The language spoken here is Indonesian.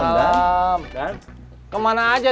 bro dengan sembilan puluh tahun